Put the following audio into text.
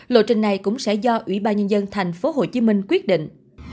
lộ trình này cũng sẽ do ủy ba nhân dân thành phố hồ chí minh quyết định